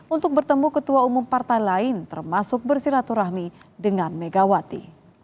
untuk bertemu ketua umum partai lain termasuk bersilaturahmi dengan megawati